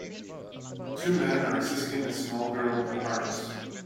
Two men are assisting a small girl in a harness.